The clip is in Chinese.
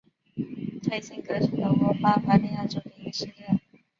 泰辛格是德国巴伐利亚州的一个市镇。